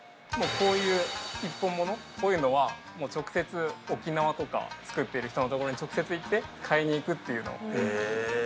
こういう一本モノこういうのは直接沖縄とか作ってる人の所に直接行って買いに行くっていうのを。